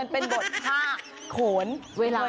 เป็นบทผ้าโขนเวลา